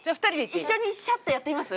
一緒にシャってやってみます？